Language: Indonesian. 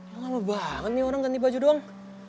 ya lama banget nih orang ganti baju doang